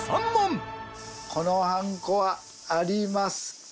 このはんこはありますか？